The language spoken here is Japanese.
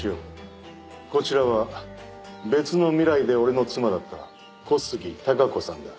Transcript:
こちらは別の未来で俺の妻だった小杉貴子さんだ。